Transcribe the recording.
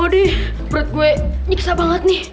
odi berat gue nyiksa banget nih